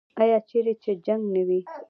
آیا چیرې چې جنګ نه وي؟